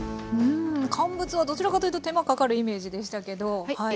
うん乾物はどちらかというと手間かかるイメージでしたけど。